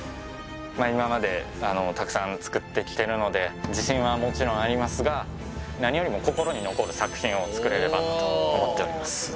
今までたくさん作ってきてるので自信はもちろんありますが何よりも心に残る作品を作れればと思っております。